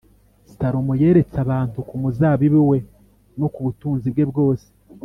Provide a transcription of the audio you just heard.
Salomo yeretse abantu ku muzabibu we no ku butunzi bwe bwose